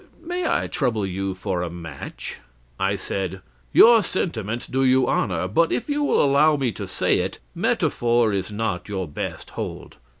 May I trouble you for a match?' "I said: 'Your sentiments do you honor, but if you will allow me to say it, metaphor is not your best hold.